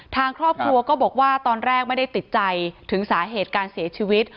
ทางครอบครัวก็บอกว่าตอนแรกไม่ได้ติดใจถึงสาเหตุการเสียชีวิต